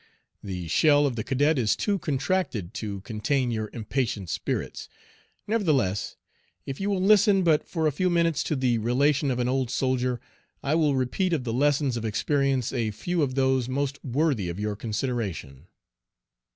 The shell of the cadet is too contracted to contain your impatient spirits. Nevertheless, if you will listen but for a few minutes to the relation of an old soldier, I will repeat of the lessons of experience a few of those most worthy of your consideration.